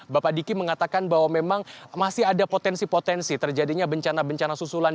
bapak diki mengatakan bahwa memang masih ada potensi potensi terjadinya bencana bencana susulan